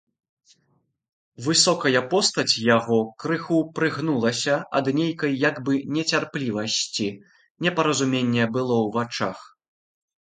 Высокая постаць яго крыху прыгнулася ад нейкай як бы нецярплівасці, непаразуменне было ў вачах.